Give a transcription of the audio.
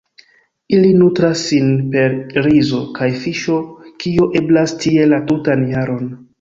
Ili nutras sin per rizo kaj fiŝo, kio eblas tie la tutan jaron.